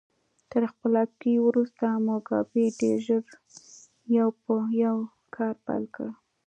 تر خپلواکۍ وروسته موګابي ډېر ژر یو په یو کار پیل کړ.